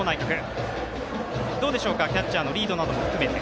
どうでしょうか、キャッチャーのリードなども含めて。